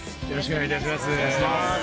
よろしくお願いします。